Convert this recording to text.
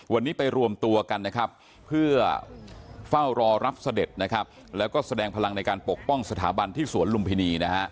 วันนี้ไปร่วมตัวกันเพื่อเฝ้ารอรับเสด็จและแสดงพลังในการปกป้องสถาบันที่สวนลุมพิณี